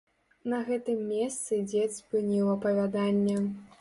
На гэтым месцы дзед спыніў апавяданне.